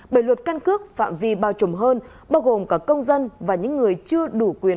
bởi luật căn cước phạm vi bao trùm hơn bao gồm cả công dân và những người chưa đủ quyền